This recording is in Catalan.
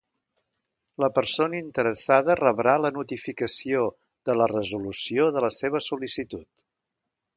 La persona interessada rebrà la notificació de la resolució de la seva sol·licitud.